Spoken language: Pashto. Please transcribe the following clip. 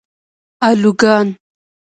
الوگان